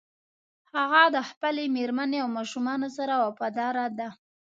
هغه د خپلې مېرمنې او ماشومانو سره وفاداره ده